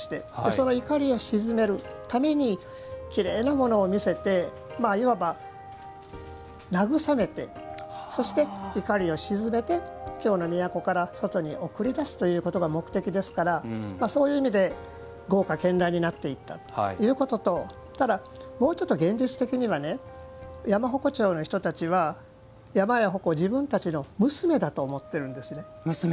その怒りを鎮めるためにきれいなものを見せていわば、慰めてそして、怒りを鎮めて京の都から外に送りだすことが目的ですからそういう意味で豪華けんらんになっていったということとただ、もうちょっと現実的には山鉾町の人たちは山や鉾を自分たちの娘だと思っているんですよ。